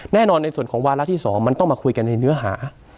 แน่นอนในส่วนของวาระที่๒มันต้องมาคุยกันในเนื้อหา